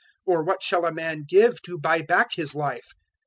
Or what shall a man give to buy back his life?